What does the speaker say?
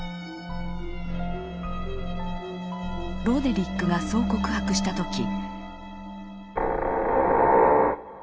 ロデリックがそう告白した時。